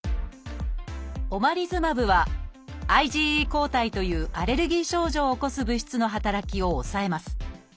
「オマリズマブ」はＩｇＥ抗体というアレルギー症状を起こす物質の働きを抑えます。